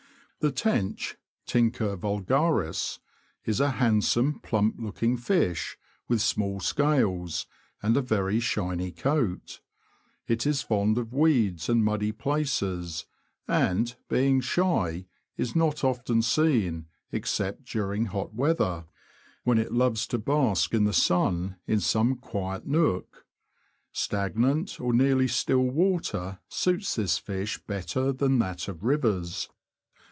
The Tench (Tinea vulgaris) is a handsome, plump looking fish, with small scales' and a very shiny coat. It is fond of weeds and muddy places, and, being shy, is not often seen, except during hot weather, when The Tench. it loves to bask in the sun in some quiet nook. Stagnant, or nearly still water, suits this fish better than that of rivers.